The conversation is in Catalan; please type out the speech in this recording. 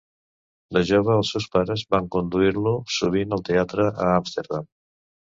De jove, els seus pares van conduir-lo sovint al teatre a Amsterdam.